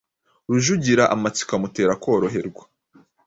Rujugira amatsiko amutera kworoherwa